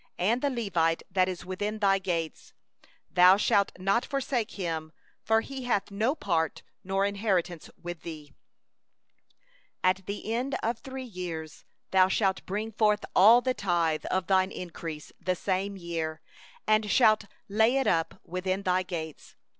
27And the Levite that is within thy gates, thou shalt not forsake him; for he hath no portion nor inheritance with thee. 28At the end of every three years, even in the same year, thou shalt bring forth all the tithe of thine increase, and shall lay it up within thy gates.